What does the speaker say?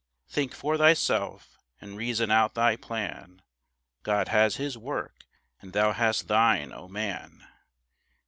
Think for thyself and reason out thy plan; God has his work and thou hast thine, oh, man.